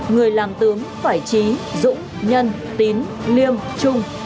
người làm tướng phải trí dũng nhân tín liêm trung